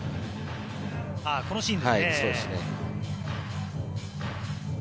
このシーンですね。